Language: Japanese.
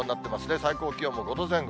最高気温も５度前後。